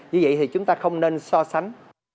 như vậy thì chúng ta không nên so sánh